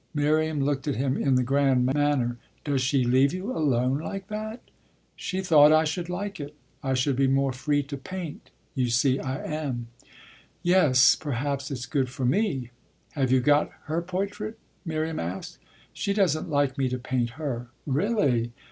Miriam looked at him in the grand manner. "Does she leave you alone like that?" "She thought I should like it I should be more free to paint. You see I am." "Yes, perhaps it's good for me. Have you got her portrait?" Miriam asked. "She doesn't like me to paint her." "Really?